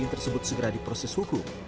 akan tersebut segera di proses hukum